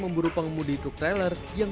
memburu pengemudi truk trailer yang